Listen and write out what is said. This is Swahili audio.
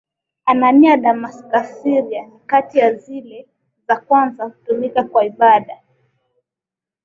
Anania Damascus Syria ni kati ya zile za kwanza kutumika kwa ibada